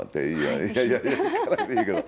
いやいやいや聴かなくていいけど。